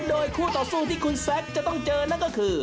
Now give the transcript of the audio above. โดยคู่ต่อสู้ที่คุณแซคจะต้องเจอนั่นก็คือ